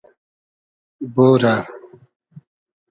بورۂ